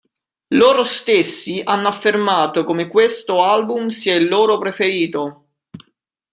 Loro stessi hanno affermato come questo album sia il loro preferito.